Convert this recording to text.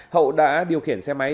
hậu đã điều khiển xe máy